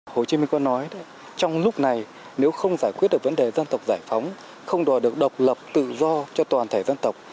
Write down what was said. hồ chí minh có nói trong lúc này nếu không giải quyết được vấn đề dân tộc giải phóng không đòi được độc lập tự do cho toàn thể dân tộc